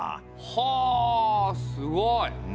はあすごい。